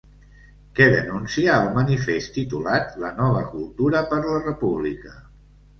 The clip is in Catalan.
Què denuncia el manifest titulat 'La nova cultura per la república'?